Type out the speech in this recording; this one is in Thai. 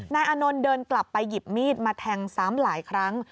อานนท์เดินกลับไปหยิบมีดมาแทงซ้ำหลายครั้ง